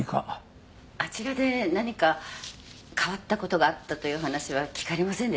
あちらで何か変わったことがあったという話は聞かれませんでしたか？